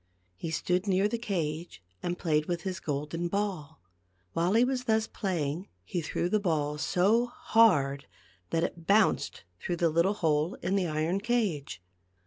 He stood near the cage and played with his golden ball. While he was thus playing he threw the ball so hard that it bounced through the little hole in the iron cage.